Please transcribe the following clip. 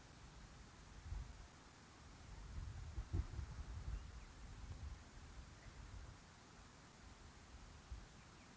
asal sekolah sma negeri satu sma negeri enam